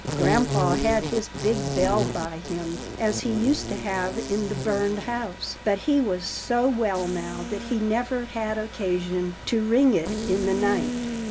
Grampa had his big bell by him, as he used to have in the burned house, but he was so well now that he never had occasion to ring it in the night.